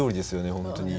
本当に。